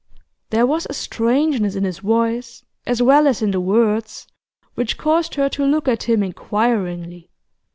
There was a strangeness in his voice, as well as in the words, which caused her to look at him inquiringly.